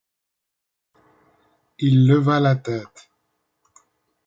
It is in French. Il leva la tête.